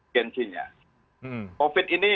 genginya covid ini